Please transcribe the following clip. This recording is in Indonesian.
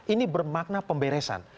ini bermakna pemberesan